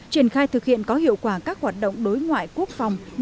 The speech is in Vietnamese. triển khai thực hiện có hiệu quả các hoạt động đối ngoại quốc phòng